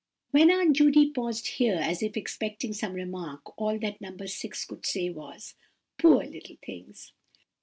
When Aunt Judy paused here, as if expecting some remark, all that No. 6 could say, was:— "Poor little things!"